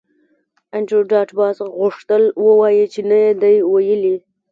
انډریو ډاټ باس غوښتل ووایی چې نه یې دی ویلي